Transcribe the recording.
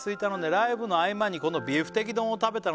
「ライブの合間にこのビフテキ丼を食べたのですが」